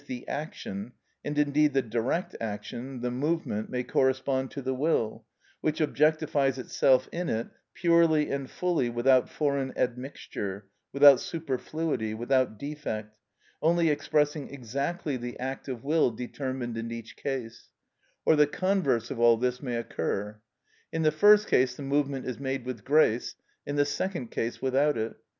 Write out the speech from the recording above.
_, the action, and indeed the direct action, the movement, may correspond to the will, which objectifies itself in it, purely and fully without foreign admixture, without superfluity, without defect, only expressing exactly the act of will determined in each case;—or the converse of all this may occur. In the first case the movement is made with grace, in the second case without it.